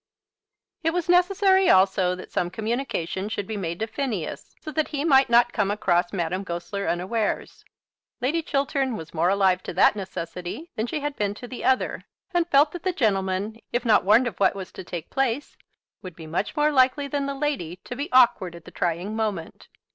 It was necessary also that some communication should be made to Phineas, so that he might not come across Madame Goesler unawares. Lady Chiltern was more alive to that necessity than she had been to the other, and felt that the gentleman, if not warned of what was to take place, would be much more likely than the lady to be awkward at the trying moment.